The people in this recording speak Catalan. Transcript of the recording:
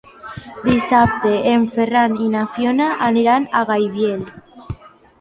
Dissabte en Ferran i na Fiona aniran a Gaibiel.